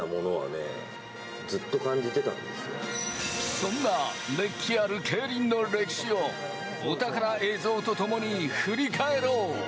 そんな熱気ある競輪の歴史をお宝映像とともに振り返ろう！